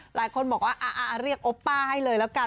หลายคนบอกว่าเรียกโอปป้าให้เลยแล้วกัน